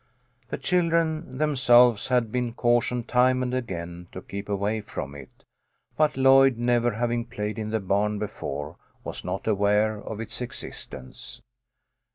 The children them selves had been cautioned time and again to keep away from it, but Lloyd, never having played in the barn before, was not aware of its existence.